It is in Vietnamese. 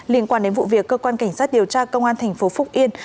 liên quan đến vụ việc cơ quan cảnh sát điều tra công an tp phúc yên